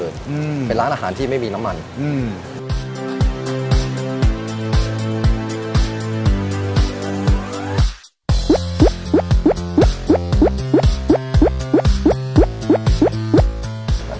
อืมเป็นร้านอาหารที่ไม่มีน้ำมันอืม